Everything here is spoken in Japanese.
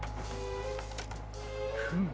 フム。